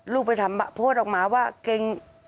ลูกไปทำโพสต์ออกมาว่าเก่ง